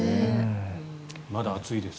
まだ暑いです。